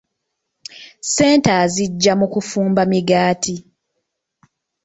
Ssente aziggya mu kufumba migaati.